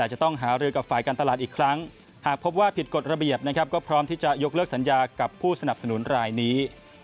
หากพบว่าผิดกฎระเบียบก็พร้อมที่จะยกเลิกสัญญากับผู้สนับสนุนรายนี้